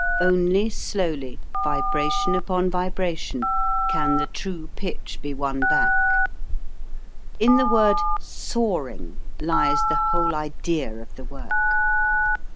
Only slowly, vibration upon vibration, can the true pitch be won back. In the word "soaring" lies the whole idea of the work.